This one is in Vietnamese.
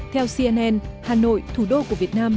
theo cnn hà nội thủ đô của việt nam